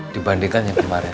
dibandingkan yang kemarin